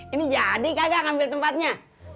ini jadi gagal ngambil tempatnya